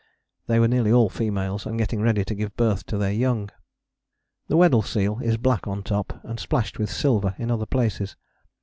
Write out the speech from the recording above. They were nearly all females, and getting ready to give birth to their young. The Weddell seal is black on top, and splashed with silver in other places.